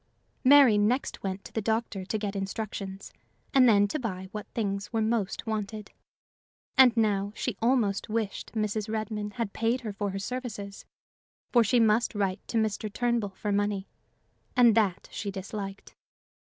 Mary next went to the doctor to get instructions, and then to buy what things were most wanted. And now she almost wished Mrs. Redmain had paid her for her services, for she must write to Mr. Turnbull for money, and that she disliked.